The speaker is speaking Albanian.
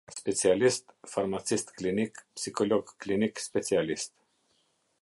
Specialist, Farmacist Klinik, Psikolog Klinik Specialist.